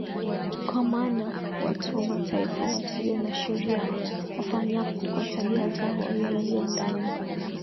Kwa maana watu wa Mataifa wasio na sheria wafanyapo kwa tabia zao yaliyo ndani